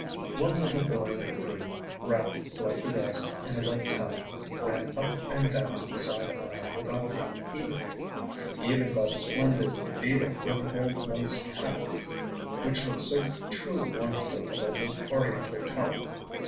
One little boy of three, wrapped, like the rest, in a white Talleth, ran up and down the side aisle without being heeded even by the splendid Beadle with the gold laced hat, which looked so truly wonderful above the Oriental Talleth.